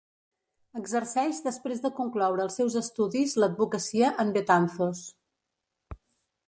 Exerceix després de concloure els seus estudis l'advocacia en Betanzos.